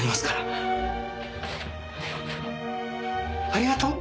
ありがとう。